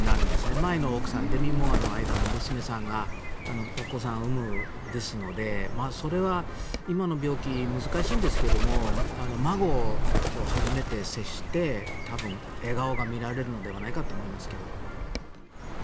前の奥さんデミ・ムーアの間の娘さんがお子さんを生むのでそれは今の病気難しいんですが孫と初めて接して笑顔が見られるのではないかと思いますけれど。